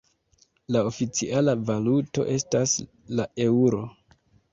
La oficiala valuto estas la Eŭro.